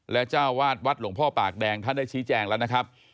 และเจ้าวาดวัดหลวงพ่อปากแดงท่านได้ชี้แจงแล้วนะครับ